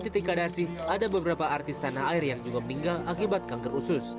selain titi kahdarsi ada beberapa artis tanah air yang juga meninggal akibat kanker usus